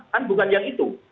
kan bukan yang itu